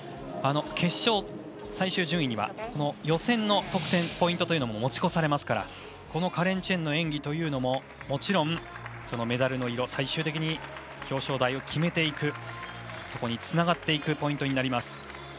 決勝、最終順位は予選の得点ポイントというのも持ち越されますからこのカレン・チェンの演技ももちろんメダルの色最終的に表彰台を決めていくそこにつながっていくポイントになります。